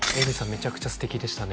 めちゃくちゃ素敵でしたね